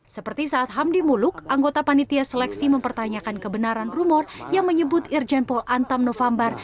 seperti saat hamdi muluk anggota panitia seleksi mempertanyakan kebenaran rumor yang menyebut irjen pol antam november